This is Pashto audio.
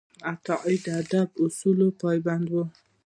عطايي د ادبي اصولو پابند و.